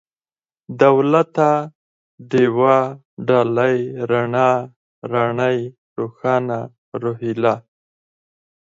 دولته ، ډېوه ، ډالۍ ، رڼا ، راڼۍ ، روښانه ، روهيله